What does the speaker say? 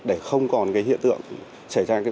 để không còn cái hiện tượng xảy ra